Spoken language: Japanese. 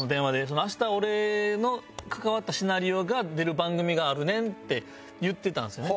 「明日俺の関わったシナリオが出る番組があるねん」って言ってたんですよね。